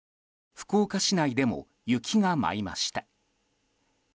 福岡市内でも雪が舞いました。